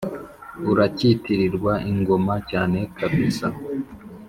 urakitirirwa ingoma cyane kabsa